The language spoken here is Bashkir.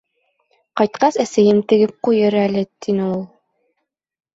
- Ҡайтҡас, әсәйем тегеп ҡуйыр әле, - тине ул.